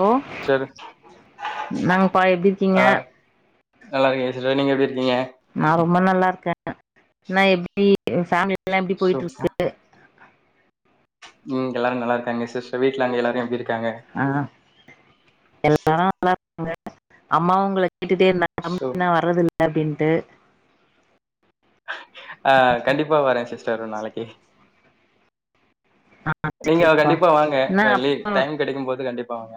Hello sister என்னங்கப்பா எப்டி இருக்கீங்க ஆ நல்லா இருக்கேங்க சிஸ்டர் நீங்க எப்டி இருக்கீங்க நா ரொம்ப நல்லா இருக்க நா எப்டி பமிலி எல்லா எப்டி போய்ட்டு சூப்பர் இருக்கு ம் எல்லாரு நல்லா இருக்காங்க சிஸ் வீட்ல அங்க எல்லாரு எப்டி இருக் ஆ எல்லாரு நல்லா அம்மா உங்கள கேட்டுட்டே இருந்தா சோ [unintelligible] வர்றதில்ல அப்டிண்டு ஆ கண்டிப்பா வரே சிஸ்டர் ஒரு நாளைக்கு ஆ நீங்க சரிப்பா கண்டிப்பா வாங்க என்ன லீ அப்புறோ டைம் கெடைக்கும் போது கண்டிப்பா வாங்க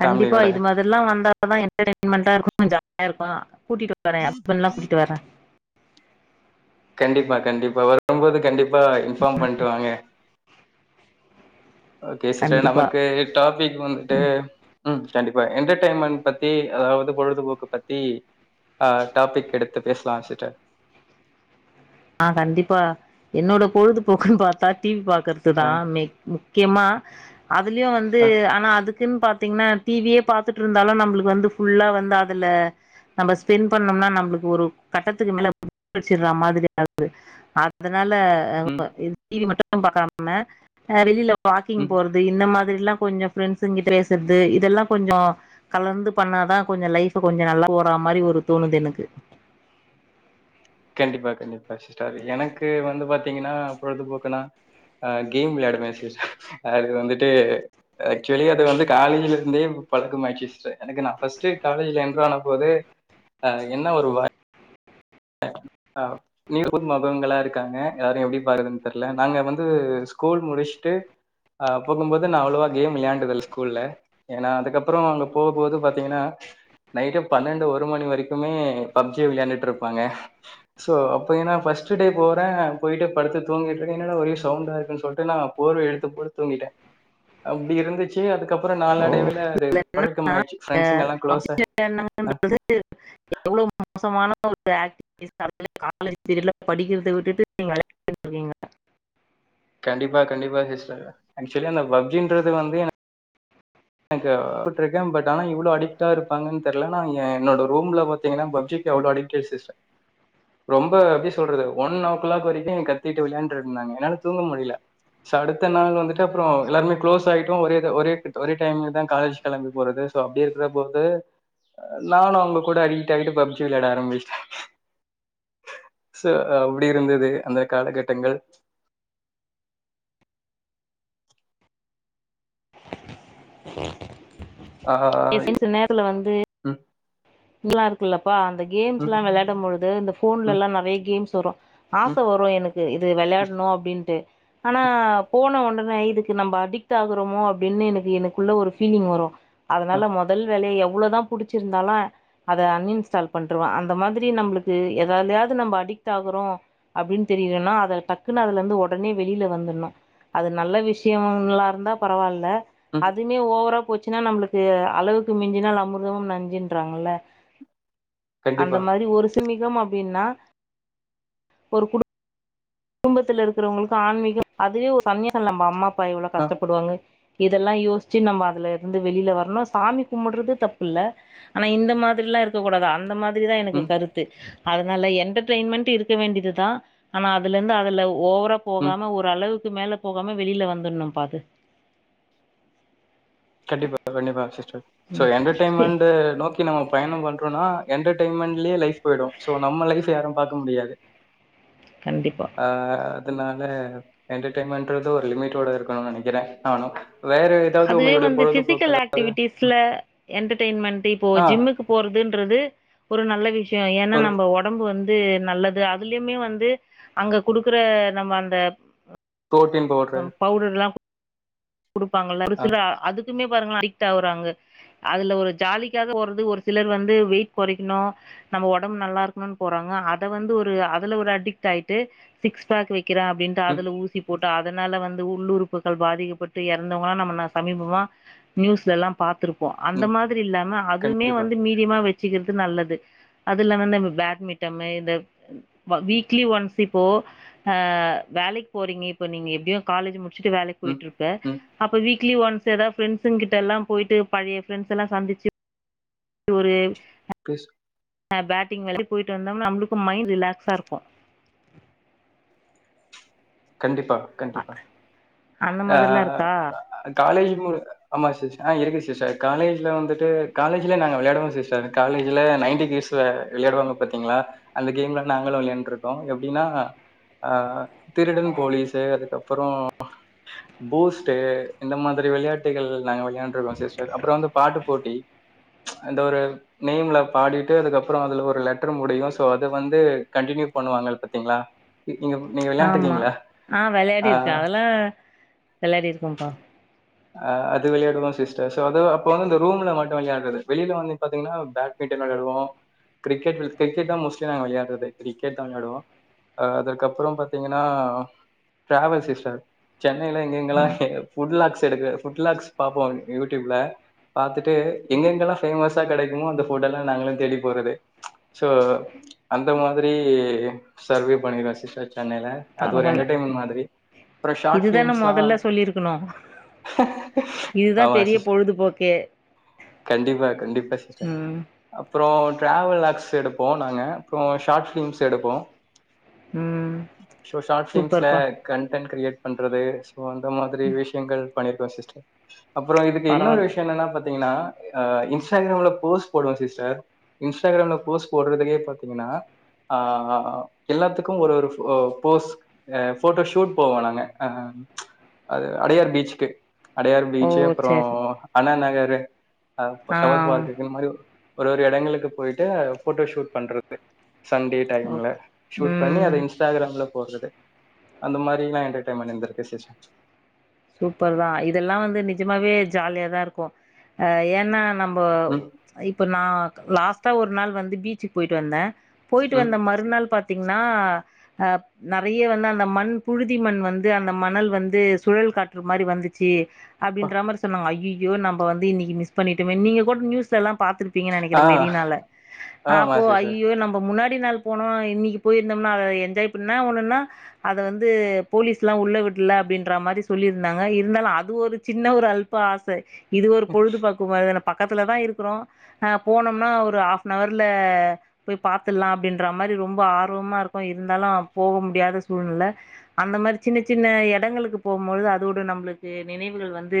கண்டிப்பா ஃபேமிலியோட இது மாதிரல்லா வந்த தா என்டர்டெய்ன்மெண்டா இருக்கு கொஞ்ச இருக்கு கூட்டிட்டு வர ஹஸ்பன்ட்ல்லா கூட்டிட்டு வர கண்டிப்பா கண்டிப்பா வரும்போது கண்டிப்பா இன்பாம் பண்ணிட்டு வாங்க ஓகே சிஸ்டர் கண்டிப்பா நமக்கு டாப்பிக் வந்துட்டு ம் கண்டிப்பா என்டர்டெய்ன்மெண்ட் பத்தி அதாவது பொழுதுபோக்கு பத்தி ஆ டாபிக் எடுத்து பேசலா சிஸ்டர் ஆ கண்டிப்பா என்னோட பொழுதுபோக்குன் பாத்தா டிவி பா கற்துதா ஆ மே முக் க்கியமா அதுலயும் வந்த ஆ ஆனா அதுக்கு திம் பாத்தீங்னா டிவியே பாத்துட்ருந்தாலும் நம்ளுக்கு வந்து ஃபுல்லா வந்து அதுல நம்ம ஸ்பெண்ட் பண்னோம்னா நம்ளுக்கு ஒரு கட்டத்துக்கு மேல [inaudible] முச்சிறா மாதிரி அது ஆ [unintelligible] அதனால ம் டிவி மட்டும் க்கும் பாக்காம வெளில வாக்கிங் ம் போறது இந்த மாரி யொல்லா கொஞ்சொ ப்ரெண்ட்ஸ் கிட்ட பேசற்து இதெல்லா கொஞ்சொ கலர்ந்து பண்ணாதா கொஞ்சொ லைஃப் கொஞ்சொ நல்லா போற மாரி ஒரு தோணுது எனக்கு கண்டிப்பா கண்டிப்பா சிஸ்டர் எனக்கு வந்து பாத்தீங்கன்னா பொழுதுபோக்குனா அஹ் கேம் விளையாடுவே சிஸ் அது வந்துட்டு ஆக்சுவலி அது வந்து காலேஜ்ல இருந்தே பழக்கமாயிட்சி சிஸடர் எனக்கு நா ஃபஸ்ட்டு காலேஜ்ல என்டர் ஆன போது அஹ் என்ன ஒரு வ அஹ் அ நியூ மொகங்களா இருக்காங்க யாரயு எப்டி பாக்கருதுன்னு தெர்ல நாங்க வந்து ஸ்கூல் முடிச்ட்டு அஹ் போகும்போது நா அவ்வளோவா கேம் வெளையாண்டதில் ஸ்கூல்ல ஏன்னா அதுக்கப்பறொ அங்க போம்போது பாத்தீங்கன்னா நைட்டு பன்னெண்டு ஒரு மணி வரைக்குமே பப்ஜிய வெளையாண்டுட்ருப் ப்பாங்க சோ பாத்தீங்கனா ஃபஸ்ட்டு டே போறே போய்ட்டு படுத்து தூங்கிட்ருக்கே என்னடா ஒரே சவுண்டா இருக்கு சொல்டு நா போர்வைய எடுத்து போத்தி தூங்கிட்டே அப்டி இருந்துச்சு அதுக்கப்பறொ நாளா இதுல என்னன்னா எல்லாம் அஹ் குளோஸா அ [inaudible] எவ்வளவு மோசமான [inaudible] ஆக்டிவிடீஸ் நட்க்குது காலேஜ் பீரியட்ல படிக்கிறத விட்டுட்டு நீங்க வெளயாண்டுட்ருக்கீங்க கண்டிப்பா கண்டிப்பா சிஸ்டர் ஆக்சுவலி அந்த பப்ஜின்றது வந்து எனக் எனக்கு பட்றுக்கே ஆனா இவ்ளோ அடிக்டா இருப்பாங்கன்னு தெரில நா என்னோட ரூம்ல பாத்தீங்கன்னா பப்ஜிக்கு அவளோ அடிக்டிவ் சிஸ்டர் ரொம்ப எப்டி சொல்றது ஒன் ஓ கிளாக் வரைக்கு கத்திட்டு வெளையாண்டிருந்தாங்க என்னால தூங்க முடில சோ அடுத்த நாள் வந்துட்டு அப்பறொ எல்லாருமே க்ளோஸ் ஆயிட்டோ ஒரே த ஒரே ஒரே டைம்லதா காலேஜ் கெளம்பி போறது சோ அப்டி இருக்கிறப்போ வந்து நானு அவங்க கூட அடிக்ட் ஆய்ட்டு பப்ஜி வெளையாட ஆரம்பிச்ட்டே சோ அப்டி இருந்துது அந்த காலகட்டங்கள் ஆ த சின்ஸ் நேர்ல வந்து ம் நல்லா இருக்குல்ல ப்பா அந்த ம் கேம்ஸ்லா வெளையாடும் பொழுது இந்த ம் ஃபோன்லலா நறைய கேம்ஸ் வரு ஆச ம் வரு எனக்கு இது வெளையாட்ணு அப்டின்ட்டு ஆனா ஃபோன ஒன்னு ஆனா இதுக்கு நம்ப அடிக்ட் ஆகுறோமோ அப்டின்னு எனக்கு எனக்குள்ள ஒரு ஃபீலிங் வரு அதனால ம் மொதல் வேலையா எவ் ளோதா புடிச்சிருந்தாலு அ அத அன்இன்ஸ்டால் பண்ருவெ அந்த மாதிரி நம்ளுக்கு எதாலயாவது நம்ம அடிக்ட் ஆகுறோ அப்டின்னு தெரியுதுன்னா அத டக்குன்னு அதுல இருந்து ஒடனே வெளில வந்துட்ணு அது நல்ல விஷயொங்க்ள்லா இருந்தா பரவாயில்ல ம் அதுமே ஓவரா போ ச்சுனா நம்ளுக்கு அளவுக்கு மிஞ்சினால் அமிர்தமும் நஞ்சன்றாங்கள்ல அந்த கண்டிப்பா மாரி ஒரு சிமி மம் அப்டின்னா ஒரு குடு ம்பத்துல இருக்குறவங்களுக்கு ஆன்மீகம் அதுவே ஒரு சன்னியாசம் நம்ம அம்மா அப்பா எவ்வளோ ஆ கஷ்டப்படுவாங்க இதெல்லா யோஸ்ச்சு நம்ம அதுல இருந்து வெளில வரணும் சாமி கும்புடுறது தப்பு இல்ல ஆனா இந்த மாதிரில்லா இருக்கக் கூடாது அந்த மாரி திரிதா எனக்கு ம் கருத்து அதனால என்டர்டெயின்மென்ட் இருக்க வேண்டியதுதா ஆனா துல இருந்து அதுல ஓவ ரா ம் போகாம ஒரு அளவு க்கு மேல போகாம வெளில வந்துணும்பா அது கண்டிப்பா கண்ணிப்பாங்க சிஸ் டர் சோ ம் என்டர்டெய்ன்மெண்ட்டு நோக்கி நம்ம பயணொ பண்றோனா என்டர்டெயன்மெண்ட்லேயே லைஃப் போயிடு சோ நம்ம லைஃப யாரு பாக்க முடியாது கண்டிப்பா ஆஹ் அ அதனால என்டர்டைன்மென்றது ஒரு லிமிட்டோட இருக்கணுனு நெனைக்கிறே நானு வேற எதாவ்து உங்களுட இந்த ஃபிசிக்கல் ஆக்டிவிட்டிஸ்ல என்டர்டயின்மெண்ட் இப்போ ஆ ஜிம்முக்கு போறதுன்றது ஒரு நல்ல விஷ் யோ ஏனா ஒரு நம்ம ஒடம்பு வந் து நல்லது அதுலயுமே வந்து அங்க குடுக்குற நம்ம அந்த தோட்டின் போடுற குடுப்பாங்கள ஒரு சில அதுக் குமே பாருங்களே அயிட் ஆவுறாங்க அதுல ஒரு ஜாலிக்காக போறது ஒரு சிலர் வந்து வெயிட் கொறைக்கணு நம்ம ஒடம்பு நல்லா இருக்கணுனு போறாங்க அத வந்து அதுல ஒரு அடிக்ட் ஆயிட்டு சிக்ஸ் பேக் வக் கிற அப்டின்ட்டு ம் அது ஊசி போட் டு அதனால வந்து உள்ளுறுப்புகள் பாதிக்கப்பட்டு எறந்தவங்கள நம்ம ந சமீபமா நியூஸ்லலா பாத்துரு ப்போ அந்த ம், மாதிரி இல்லாம அதுமே கண்டிப்பா வந்து மீடியமா வெ சீக்கரது நல்லது அதுல்லாம இந்த பேட்மிட்டமு இந்த வ வீக்லி ஒன்ஸ் இப்போ அ வேலைக்கு போறீங்க ப்போ நீங்க எப்படியு காலஜ் மு டிச்சிட்டு வேலைக்கு ம் போயிட்டு இருப்ப ம் அப்ப வீ க்லி ஒன்ஸ் ஏதா ஃப்ரண்டஸு கிட்ட எல்லா போயிட்டு பழைய ஃப்ரண்ட்ஸ் எல்லா சந்திச்சு ஒரு பிஸ் அ பேட்டிங் வேல போயிட்டு வந்தோம்னா நம்மளுக்கும் மைண்ட் ரிலாக்ஸா இருக்கும் கண்டிப் பா கண்டிப்பா அந்த ஆ மாதிரில்லா இருக்கா காலேஜ் மு ஆமா சிஸ் ஆ இருக்கு சிஸ் காலேஜ்ல வந்துட்டு காலேஜ்ல நாங்க விளையாடுவோம் சிஸ்டர் காலேஜ்ல நைன்டி கீஸு விளையாடுவாங்க பாத்தீங்களா அந்த கேம்லா நாங்களும் விளையாண்ருக்கோ எப்டின்னா அ திருடன் போலீஸு அதுக்கப்புறோ பூஸ்ட்டு இந்த மாதிரி விளையாட்டுகள் நாங்க வெளையாண்டுருக்கோ சிஸ்டர் அப்றோ வந்து பாட்டு போட்டி அந்த ஒரு நேம்ல பாடிட்டு அதுக்கப்புறோ அதுல ஒரு லெட்டர் முடியு சோ அது வந்து கண்டினியூ பண்ணுவாங்கள் பாத்தீங்களா நீ- நீங்க நீங்க ஆமா விளையாண்டுருக்கீங்களா? ஆ வெளையாடி ஆ இருக்கேன் அதெல்லா வெளாடி இருக்கோம்ப்பா அ அது விளையாடுவம் சிஸ்டர் ஸோ அது அப்ப வந்து இந்த ரூம்ல மட்டும் விளையாடுறது வெளியில வந்து பாத்தீங்கன்னா பேட்மிட்டன் வெளையாடுவோம் கிரிக் கெட் கெரிக்கெட் தா மோஸ்ட்லி நாங்க விளையாடுறது கிரிக்கெட் தா விளையாடுவோம் அ அதற்கப்புறம் பாத்தீங்கன்னா டிராவல் சிஸ்டர் சென்னைல எங்க எங்கலா ம் புட் லாக்ஸ் எடுக்ற ஃபுட் லாக்ஸ் பாப்போம் யூட்யூப்ல பாத்துட்டு எங்கெங்கல்லா ஃபேமஸா கெடைக்குமோ அந்த ஃபுட்டெல்லா நாங்களும் தேடி போறது சோ அந்த மாதிரி சர்வே பண்ணிருக்கேன் சிஸ்டர் சென்னையில அது ஒரு பரவால்ல என்டர்டெயின்மென் மாதிரி அப்புறம் ஷார்ட் இதுதான பிலிம்ஸ்லா மொதல்ல சொல்லிருக்கணு [inaudible] இதுதா ஆமா பெரிய சிஸ் பொழுதுபோக்கே கண்டிப்பா கண்டிப்பா சிஸடர் ம் அப்றோ ட்ராாவல் எக்ஸ் எடுப்போ‌ நாங்க அப்றோ ஷார்ட் ஃபிலிம்ஸ் எடுப்போ ம் சோ ஷார்ட் ஃபிலிம்ஸ்ல சூப்பர்ப்பா கண்டன் கிரியேட் பண்றது சோ அந்த மாதிரி விஷ் பண்ணிருக்கோ சிஸ்டர் அப்றோ இதுக்கு இன்னொரு பரவால்ல விஷயோ என்னா பாத் பாத்தீங்கன்னா இன்ஸ்டாகிராம்ல போஸ்ட் போடுவேன் சிஸ்டர் இன்ஸ்டாகிராம்ல போஸ்ட் போடறதுலே பாத்தீங்கன்னா ஆ எல்லாத்துக்கு ஒரு ஒரு போஸ் போட்டோ ஷூட் போவோ நாங்க ஆ [unintelligible] அடையார் பீச்க்கு அடையார் ஓ பீச்சு அப்பறோ சேரி அண்ணா நகர் [inaudible] அப்ப ஆ டவர் பார்க்க மாரி ஒரு ஒரு இடங்களுக்கு போயிட்டு போட்டோ ஷூட் பண்றது சண்டே டைம்ல ஓகே ஷூட் பண்ணி ம் அதை இன்ஸ்டாகிராம்ல போறது அந்த மாரி எல்லா என்டர்டைமன்ட் இருந்திருக்கு சிஸ் சூப்பர் தான் இதெல்லா வந்து நிஜமாவே ஜாலியாதான் இருக்கு அஹ் ஏன்னா நம்ம ம் இப்போ இப்போ நான் லாஸ்ட்டா ஒரு நாள் வந்து பீச்சுக்கு போயிவிட்டு வந்தேன் போயிட்டு ம் வந்த மறுநாள் பாத் தீங்னா நிறைய வந்து அந்த மண் புழுதி மண் வந்து அந்த மணல் வந்து சுழல் காற் று மாரி வந்துச்சு அப்படின்ற மாரி சொன்னாங்க ஐய யோ நம்ம வந்து இன்னைக்கு மிஸ் பண்ணிட்டோமே நீங்க கூட நியூஸ்ல எல்லாம் பாார்த்திருப்பீங்க ஆ நினைக்கிறன் மெரினால ஆமா நாப்போ ஐ சிஸ்டர் ஐயோ நம்ம முன்னாடி டி நாள் போனோ இன்னைக்கு போயிருந்தோம்னா அத என்ஜாய் பண்ண ஒன்னா ஒன்னுனா அதை வந்து போலீஸ் எல்லா உள்ள விடல அப்படின்ற மாரி சொல்லியிருந்தாங்க இருந்தாலு அது ஒரு சின்ன ஒரு அல்பா ஆச இது ஒரு பொழுது பா்க்கு மாரிதான பக்கத்துல தான் இருக்கிறோ ஹ போனோம்னா ஒரு ஆஹாப்ன்ர்ல போய் பார்த்தடலா அப்படின்ற மாரி ரொம்ப ஆர்வமா இருக்கு இருந்தாலு போக முடியாத சூழ்நில அந்த மாரி சின்ன சின்ன இடங்களுக்கு போம் பொழுது அதோடு நம்மளுக்கு நினைவுகள் வந்து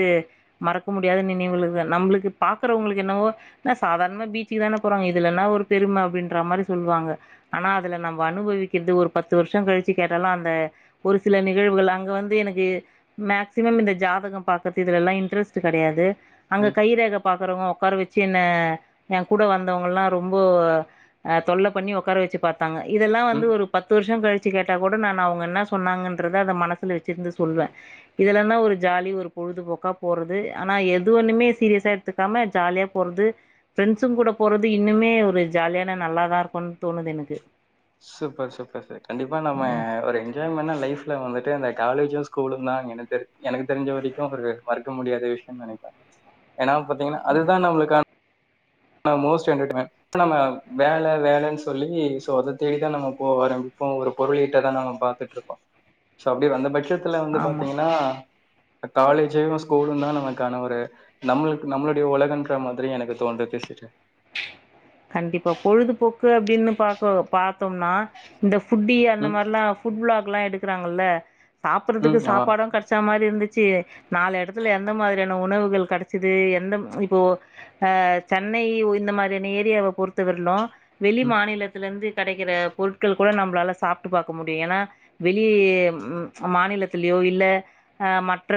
மறக்க முடியாத நினைவுகள் நம்மளுக்கு பாார்க்கறவங்களுக்கு என்னவோ ஏன்ன சாதாரணமாக பீச்சுக்கு தானே போறாங்க இதுலன்னா ஒரு பெருமை அப்படின்ற மாரி சொல்லுவாங்க ஆனால் அததுல நம்ம அனுபவிக்கிறது ஒரு பத்து வருஷம் கழிச்சு கேட்டாலு அந்த ஒரு சில நிகழ்வுகள் அங்கே வந்து எனக்கு மேக்சிமம் இந்த ஜாதகம் பாக்கறது இதுலலா இன்ட்ரெஸ்ட் கிடையாது அங்க ம் கை ரேக பாக்குறவுங்க உட்கார வச் சின்ன என் கூட வந்தவங்கல்லா ரொம்ப தொல்ல பண்ணி உட்கார வச்சு பாத் தாங்க இதெல்லா வந்து ம் ஒரு பத்து வருஷம் கழிச்சு கேட் டா கூட நான் அவங்க என்ன சொன்னாங்கன்றத அத மனசுல வச்சிருந்து சொல்லுவேன் இதுல தான் ஒரு ஜாலி ஒரு பொழுதுபோக்கா போறது ஆனா எது ஒண்ணுமே சீரியஸா எடுத்துக்காம ஜாலியா போறது ஃப்ரெண்ட்ஸும் கூட போறது இன்னுமே ஒரு ஜாலியான நல்லாதான் இருக்கும்னு தோணுது எனக்கு சூப்பர் சூப்பர் ச கண்டிப்பா நம்ம ம் ஒரு என்ஜாய்ம லைஃப்ல வந்துட்டு இந்த காலேஜு ஸ்கூலு தா என தெ எனக்கு தெரிஞ்ச வரைக்கு ஒரு மறக்க முடியாத விஷயம்னு நினைப்பேன் ஏன்னா பாத்தீங்கன்னா அதுதான் நம்மளுக்கான நம்ம வேலை வேலைன்னு சொல்லி ஸோ அத தேடிதான் நம்ம போ ஆரம்பிப்போ ஒரு பொருளீட்ட தான் நம்ம பாத்துட்டு இருப்போ ஸோ அப்டி அந்த பட்ச த்துல வந்து ஆமா பாத்தீங்கன்னா காலேஜு ஸ்கூலு தா நமக்கான ஒரு நம்மளுக்கு நம்மளுடைய உலகன்ற மாதிரி எனக்கு தோன்றது சரி கண்டிப்பா பொழுதுபோக்கு அப்டின்னு பாக்க பாத்தோம்னா இந்த புட்டி அந்த ம் மாதிரிலா ப்புட் லா ல்லாம் எடுக்குறாங்கல்ல சாப்பிடறதுக்கு ம் ஆமா சாப்பாடும் கெடச்ச மாரி இருந்துச்சு நாலு இடத்துல எந்த மாரியான உணவுகள் கிடைச்சது எந்த இப்போ சென்னைய இந்த மாரியான ஏரியாவ பொறுத்த வரலு வெளி மாநிலத்தில இருந்து கிடைக்கிற பொருட்கள் கூட நம்மளால சாப்பிட்டு பாக்க முடியு ஏன்னா வெளி மாநிலத்திலயோ இல்ல மற்ற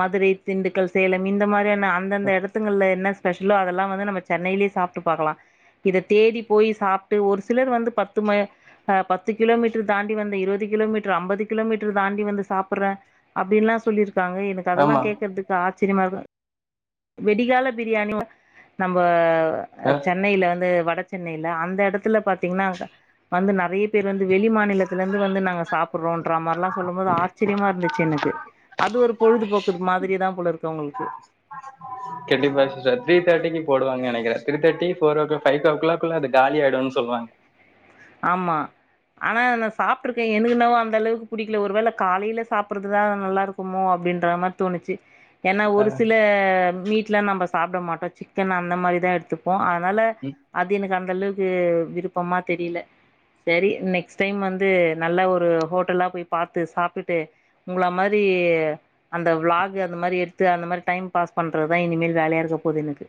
மதுரை திண்டுக்கல் சேலம் இந்த மாரியான அந்தந்த ம் எடத்துங்கள்ள என்ன ஸ்பெஷலோ அதெல்லா வந்து நம்ம சென்னைலயே சாப்ட்டு பாக்கலா இத தேடி போய் சாப்ட்டு ஒரு சிலர் வந்து பத்து பத்து கிலோமீட்டர் தாண்டி வந்து இருபது கிலோமீட்டர் ஐம்பது கிலோமீட்டர் தாண்டி வந்து சாப்பிடுறே அப்படின்ல்லா சொல்லிரு இருக்காங்க எனக்கு அதெல்லா ஆமா கேடக்குறதுக்கு ஆ சினிமாதா விடிகால பிரியாணி நம்ப அ சென்னையில வந்து வ சென்னையில அந்த இடத்துல பாத்தீங்கன்னா வந்து நிறைய பேர் வந்து வெளி மாநிலத்தில இருந்து வந்து நாங்க சாப்பிடுறோம்ன்ற மாரிலா சொல்லும் போது ஆச்சரியமா இருந்துச்சு எனக்கு அது ஒரு பொழுதுபோக்கு மாதிரிதான் போல இருக்கு அவுங்களுக்கு போடுவாங்க நினைக்கிறே three thirty four o'clock by ஓ கிளாக்குள்ள அது காலி ஆயிடும்னு சொல்லுவாங்க ஆமா ஆனா நான் சாப்ட்டு இருக்கேன் எனக்கென்னவோ அந்த அளவுக்கு பிடிக்கல ஒருவேள காலைல சாப்டுறதுதான் நல்லா இருக்குமோ அப்டின்ற மாரி தோணுச்சு ஏன்னா அ ஒரு சில மீட்லாம் நம்ப சாப்பிட மாட்டோ சிக்கன் அந்த மாரிதா எடுத்துப்போ அதனால ம். அது எனக்க அந்த அளவுக்கு விருப்பமா தெரியல சரி நெக்ஸ்ட் டைம் வந்து நல்ல ஒரு ஹோட்டலா போய் பாத்து சாப்ட்டுட்டு உங்கள மாரி அந்த விளாக் அந்த மாரி எடுத்து அந்த மாரி டைம் பாஸ் பண்றதுதான் இனிமேல் ஜாலியா இருக்க போது எனக்கு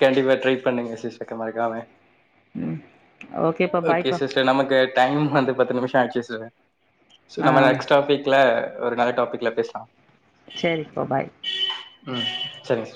கண்டிப்பா ட்ரை பண்ணுங்க சிஷ்டர் க்கானே உம் ஓகே சிஸ்டர் நமக்கு டைம் வந்து பத்து நிமிஷ ஆச்சு சோ ஆ நம்ம நெக்ஸ்ட் டாபிக்ல ஒரு நல்ல டாபிக்ல பேசலா சரிப்பா பாய் உம் சரிங்க